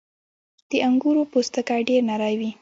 • د انګورو پوستکی ډېر نری وي.